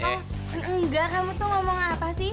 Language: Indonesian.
oh enggak kamu tuh ngomong apa sih